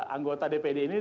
anggota dpd ini